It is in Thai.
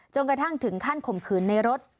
กระทั่งถึงขั้นข่มขืนในรถ